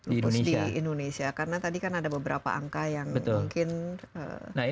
lupus di indonesia karena tadi kan ada beberapa angka yang mungkin